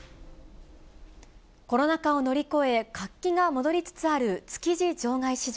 コロナ禍を乗り越え、活気が戻りつつある築地場外市場。